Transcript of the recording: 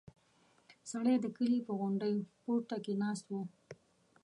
سړی د کلي په غونډۍ پورته کې ناست و.